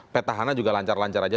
petahana juga lancar lancar saja